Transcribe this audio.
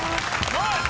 ナイス！